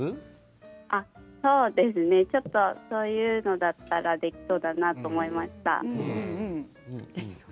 そういうのだったらできそうだなと思いました。